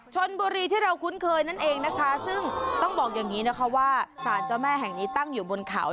ชนบุรีที่เราคุ้นเคยนั่นเองนะคะซึ่งต้องบอกอย่างนี้นะคะว่าสารเจ้าแม่แห่งนี้ตั้งอยู่บนเขา